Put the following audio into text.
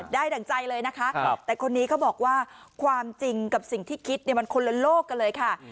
ดั่งใจเลยนะคะแต่คนนี้เขาบอกว่าความจริงกับสิ่งที่คิดมันคนละโลกกันเลยค่ะ